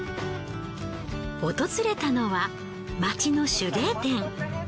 訪れたのは街の手芸店。